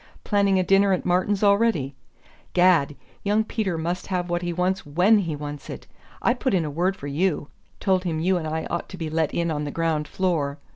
Planning a dinner at Martin's already. Gad, young Peter must have what he wants WHEN he wants it! I put in a word for you told him you and I ought to be let in on the ground floor.